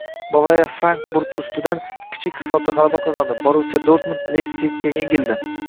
“Bavariya” “Frayburg” ustidan kichik hisobda g‘alaba qozondi, “Borussiya D” “Leypsig”ga yengildi